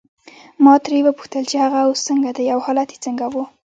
ما ترې وپوښتل چې هغه اوس څنګه دی او حالت یې څنګه وو.